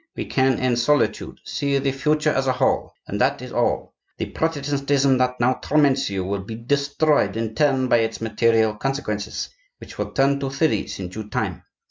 We can, in solitude, see the future as a whole, and that is all. The Protestantism that now torments you will be destroyed in turn by its material consequences, which will turn to theories in due time.